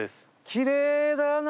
きれいだな。